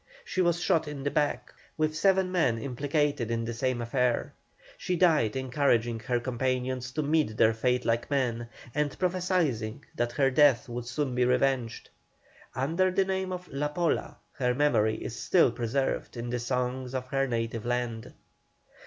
She was shot in the back, with seven men implicated in the same affair. She died encouraging her companions to meet their fate like men, and prophesying that her death would soon be revenged. Under the name of La Pola her memory is still preserved in the songs of her native land.